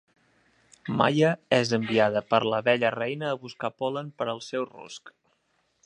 Maia és enviada per l'abella reina a buscar pol·len per al seu rusc.